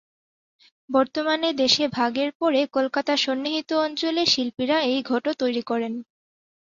বর্তমানে দেশে ভাগের পরে কলকাতা সন্নিহিত অঞ্চলে শিল্পীরা এই ঘট তৈরি করেন।